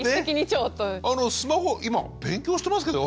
「あのスマホ今勉強してますけど？」